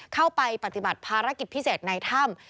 เข้าไปปฏิบัติภารกิจพิเศษในถ้ำ